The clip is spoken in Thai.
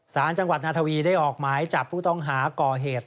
สารจังหวัดนาทวีได้ออกหมายจับผู้ต้องหาก่อเหตุ